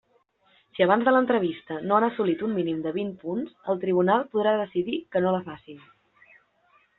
Si abans de l'entrevista no han assolit un mínim de vint punts, el tribunal podrà decidir que no la facin.